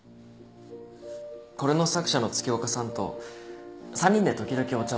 これの作者の月岡さんと３人で時々お茶をしたり。